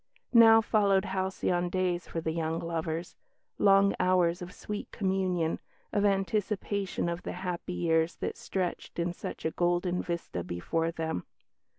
Now followed halcyon days for the young lovers long hours of sweet communion, of anticipation of the happy years that stretched in such a golden vista before them.